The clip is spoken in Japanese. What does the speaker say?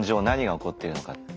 何が起こってるのか。